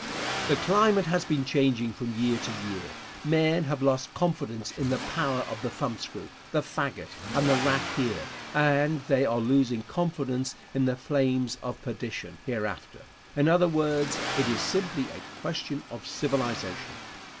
The climate has been changing from year to year. Men have lost confidence in the power of the thumbscrew, the fagot, and the rack here, and they are losing confidence in the flames of perdition hereafter. In other words, it is simply a question of civilization.